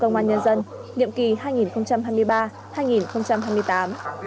công an nhân dân nhiệm kỳ hai nghìn hai mươi ba hai nghìn hai mươi tám